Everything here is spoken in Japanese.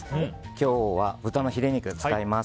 今日は豚のヒレ肉を使います。